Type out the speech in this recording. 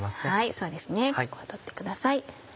そうですね取ってください。